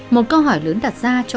một câu hỏi lớn đặt ra cho các địa phương